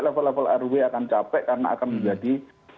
level level rw akan capek karena akan menjadi